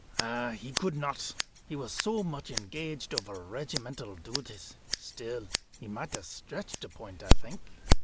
"He could not. He was so much engaged over regimental duties. Still, he might have stretched a point, I think."